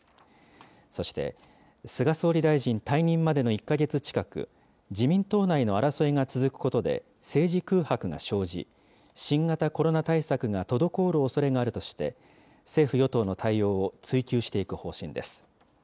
そして菅総理大臣退任までの１か月近く、自民党内の争いが続くことで、政治空白が生じ、新型コロナ対策が滞るおそれがあるとして、政府・与党の対応を追及していく方針です。